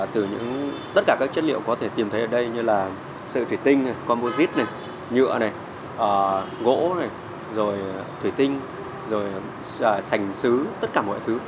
từ tất cả các chất liệu có thể tìm thấy ở đây như là sợi thủy tinh composite nhựa gỗ thủy tinh sành xứ tất cả mọi thứ